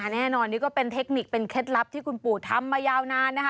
แน่นอนนี่ก็เป็นเทคนิคเป็นเคล็ดลับที่คุณปู่ทำมายาวนานนะคะ